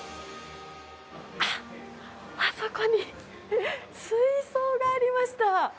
あっ、あそこに水槽がありました。